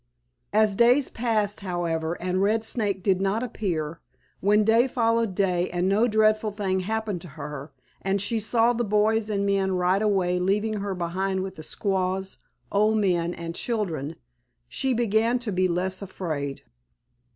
As days passed, however, and Red Snake did not appear, when day followed day and no dreadful thing happened to her, and she saw the boys and men ride away leaving her behind with the squaws, old men and children, she began to be less afraid.